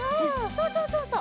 そうそうそうそう。